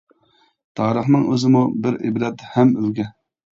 تارىخنىڭ ئۆزىمۇ بىر ئىبرەت ھەم ئۈلگە.